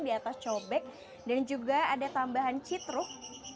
di atas cobek dan juga ada tambahan citruk